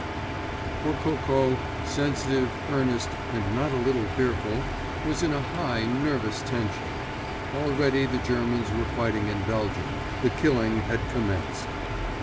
_" For Coco, sensitive, earnest, and not a little fearful, was in a high nervous tension. Already the Germans were fighting in Belgium—the killing had commenced.